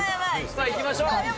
さあ、行きましょう。